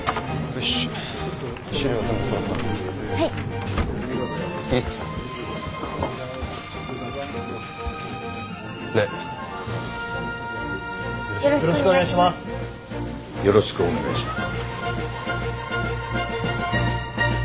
よろしくお願いします。